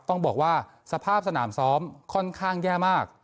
ต้องบอกว่าสภาพสนามซ้อมค่อนข้างแย่มาก